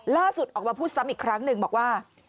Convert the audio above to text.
ล่าสุดออกมาพูดซ้ำอีกครั้งหนึ่งบอกว่า